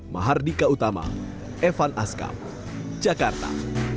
mahardika utama evan askam jakarta